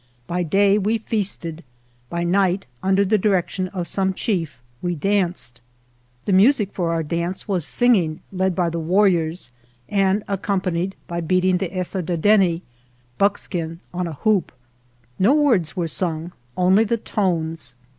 By day we feasted, by night under the direction of some chief we danced. The music for our dance was singing led by the warriors, and accompanied by beating the esadadedne (buckskin on a hoop) . No words were sung — only the tones.